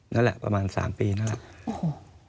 นั่นแหละประมาณ๓ปีนั่นแหละ